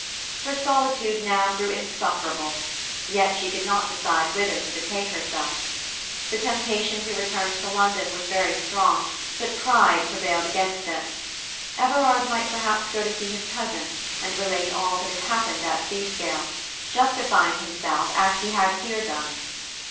Her solitude now grew insufferable, yet she could not decide whither to betake herself. The temptation to return to London was very strong, but pride prevailed against it. Everard might perhaps go to see his cousin, and relate all that had happened at Seascale, justifying himself as he had here done.